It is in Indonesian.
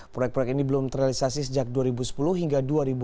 proyek proyek ini belum terrealisasi sejak dua ribu sepuluh hingga dua ribu dua puluh